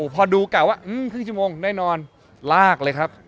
อ๋อพอดูกล่าวว่าอื้อครึ่งชั่วโมงได้นอนลากเลยครับ